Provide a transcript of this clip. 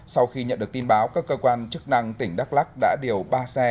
sau khi nhận được tin báo các cơ quan chức năng tỉnh đắk lắc đã điều ba xe